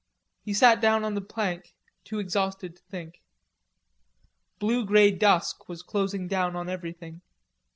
He sat down on the plank, too exhausted to think. Blue grey dusk was closing down on everything.